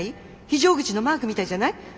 非常口のマークみたいじゃない？